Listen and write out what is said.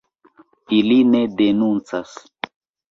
Ili ne denuncas.